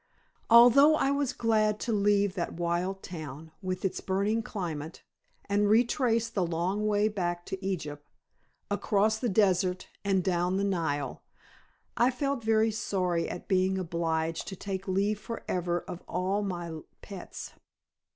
Although I was glad to leave that wild town, with its burning climate, and retrace the long way back to Egypt, across the Desert and down the Nile, I felt very sorry at being obliged to take leave forever of all my pets.